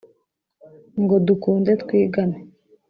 Ngo dukunde twigane